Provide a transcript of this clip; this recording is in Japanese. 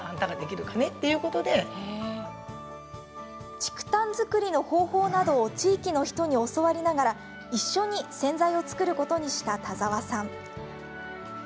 竹炭作りの方法などを地域の人に教わりながら一緒に洗剤を作ることにした田澤さん。